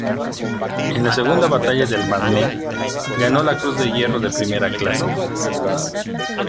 En la segunda batalla del Marne, ganó la Cruz de Hierro de primera clase.